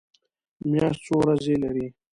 میاشت څو ورځې لري؟